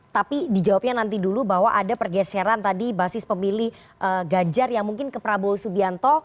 tapi dijawabnya nanti dulu bahwa ada pergeseran tadi basis pemilih ganjar yang mungkin ke prabowo subianto